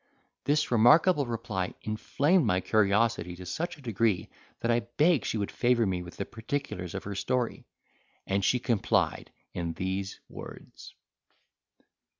This remarkable reply inflamed my curiosity to such a degree, that I begged she would favour me with the particulars of her story, and she complied in these words.